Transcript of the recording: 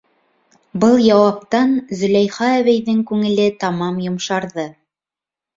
Был яуаптан Зөләйха әбейҙең күңеле тамам йомшарҙы.